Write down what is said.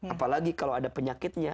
apalagi kalau ada penyakitnya